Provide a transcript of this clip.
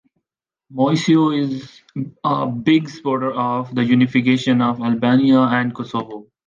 Moisiu is a big supporter of the unification of Albania and Kosovo.